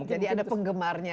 jadi ada penggemarnya